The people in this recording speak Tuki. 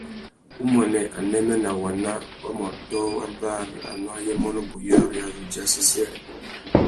Umuênê, anêmê nà waná wa mà ôtō wa bari anô ayê mônô buriyari a zu djï assêssêrê.